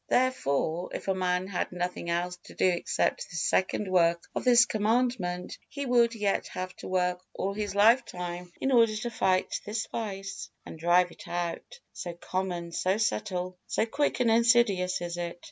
Therefore if a man had nothing else to do except this second work of this Commandment, he would yet have to work all his life time in order to fight this vice and drive it out, so common, so subtile, so quick and insidious is it.